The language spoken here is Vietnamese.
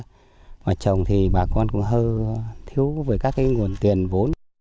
ngoài trồng thì bà con cũng hơi thiếu với các nguồn tiền vốn